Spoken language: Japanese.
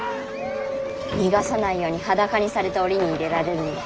逃がさないように裸にされて檻に入れられるんだ。